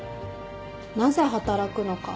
なぜ働くのか。